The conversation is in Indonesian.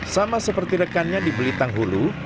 sama seperti rekannya di belitang hulu